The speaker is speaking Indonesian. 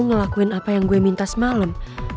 ngelakuin apa yang gue minta semalam